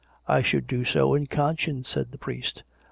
" I should do so in conscience," said the priest.